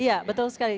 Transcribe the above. iya betul sekali vito